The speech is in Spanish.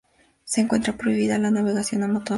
Se encuentra prohibida la navegación a motor